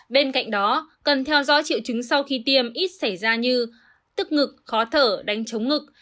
bên cạnh đó cần theo dõi triệu chứng sau khi tiêm ít xảy ra như tức ngực khó thở đánh chống ngực